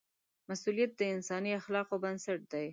مسؤلیت د انساني اخلاقو بنسټ دی.